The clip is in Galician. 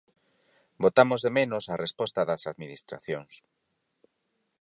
Botamos de menos a resposta das Administracións.